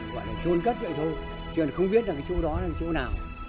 gọi là trôn cất vậy thôi chứ không biết là cái chỗ đó là chỗ nào